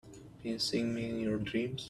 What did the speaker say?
Been seeing me in your dreams?